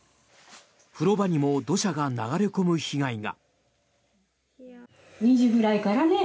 風呂場にも土砂が流れ込む被害が。